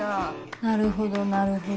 なるほどなるほど。